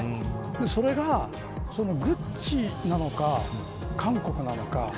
それがＧＵＣＣＩなのか韓国なのか。